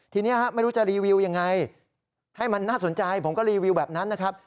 ทีนี้ไม่รู้จะรีวิวยังไงให้มันน่าสนใจผมก็รีวิวแบบนั้นนะครับ